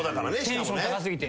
テンション高すぎて。